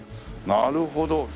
なるほど。